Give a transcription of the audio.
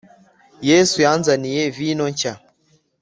yesu yanzaniye vino nshya